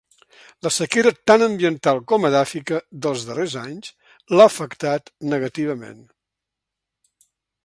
La sequera tant ambiental com edàfica dels darrers anys l'ha afectat negativament.